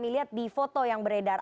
dilihat di foto yang beredar